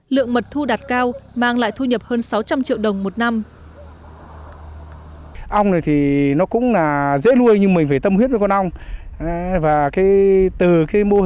lượng mật thu đạt cao mang lại thu nhập hơn sáu trăm linh triệu